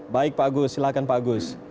baik pak agus silakan pak agus